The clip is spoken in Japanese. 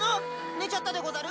寝ちゃったでござる？